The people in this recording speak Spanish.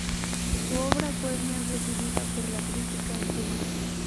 Su obra fue bien recibida por la crítica en Cuba.